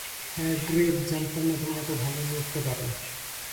হ্যাঁ, গ্রেগ, জানতাম না তুমি এত ভালো লড়তে পারো।